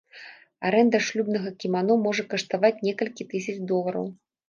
Арэнда шлюбнага кімано можа каштаваць некалькі тысяч долараў.